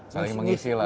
saling mengisi lah